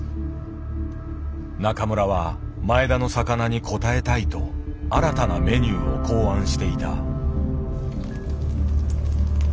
中村は前田の魚に応えたいと新たなメニューを考案していた。